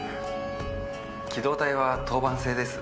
機動隊は当番制です。